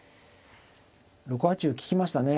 ６八歩利きましたね。